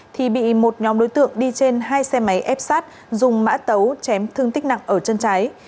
thì bị một nhóm đối tượng đi trên hai xe máy ép sát dùng mã tấu chém thương tích nặng ở chân trái